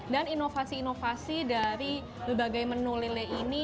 dan inovasi inovasi dari berbagai menu lele ini